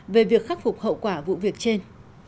về việc khắc phục hậu quả vụ việc trên